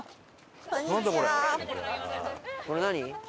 これ何？